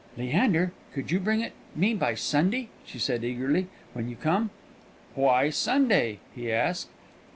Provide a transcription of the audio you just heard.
"Leander, could you bring it me by Sunday," she said eagerly, "when you come?" "Why Sunday?" he asked.